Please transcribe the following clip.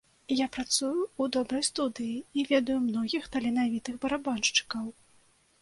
Я працую ў добрай студыі, і ведаю многіх таленавітых барабаншчыкаў.